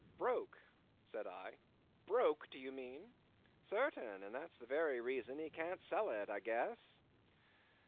"Broke," said I—"broke, do you mean?" "Sartain, and that's the very reason he can't sell it, I guess."